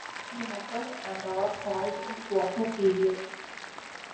The numbers and are called the quarter periods.